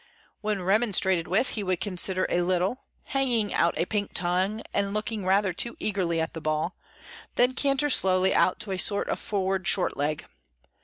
When remonstrated with, he would consider a little, hanging out a pink tongue and looking rather too eagerly at the ball, then canter slowly out to a sort of forward short leg.